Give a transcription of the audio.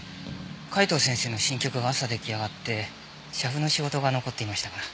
海東先生の新曲が朝出来上がって写譜の仕事が残っていましたから。